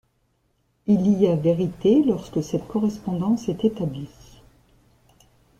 Il y a vérité lorsque cette correspondance est établie.